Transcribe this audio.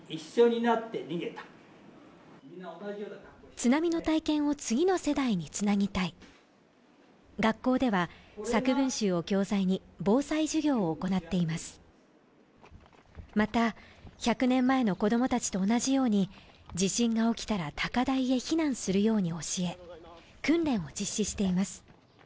津波の体験を次の世代につなぎたい学校では作文集を教材に防災授業を行っていますまた１００年前の子どもたちと同じように地震が起きたら高台へ避難するように教え訓練を実施しています